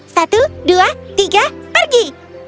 satu dua tiga pergi